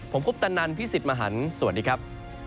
ผมคุปตะนันพี่สิทธิ์มหันฯสวัสดีครับ